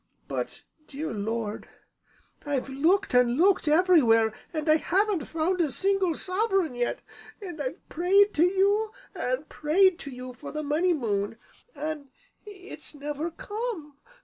But, dear Lord, I've looked an' looked everywhere, an' I haven't found a single sovereign yet, an' I've prayed to you, an' prayed to you for the Money Moon an' it's never come.